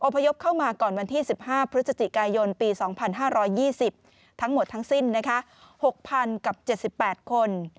อพยพเข้ามาก่อนวันที่๑๕พศ๒๐๒๐ทั้งหมดทั้งสิ้น๖๐๗๘คน